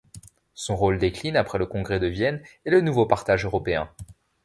Son rôle décline après le congrès de Vienne et le nouveau partage européen.